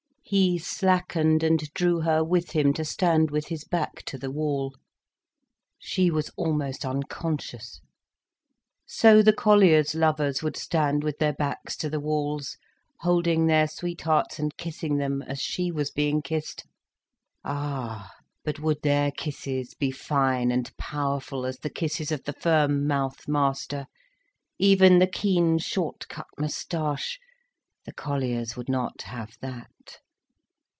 He slackened and drew her with him to stand with his back to the wall. She was almost unconscious. So the colliers' lovers would stand with their backs to the walls, holding their sweethearts and kissing them as she was being kissed. Ah, but would their kisses be fine and powerful as the kisses of the firm mouthed master? Even the keen, short cut moustache—the colliers would not have that.